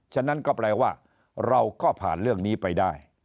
ฉะนั้นก็แปลว่าเราก็ผ่านเรื่องนี้ไปได้